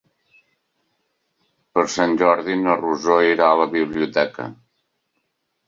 Per Sant Jordi na Rosó irà a la biblioteca.